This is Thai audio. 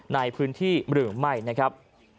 ในพื้นที่หรือไม่นะครับ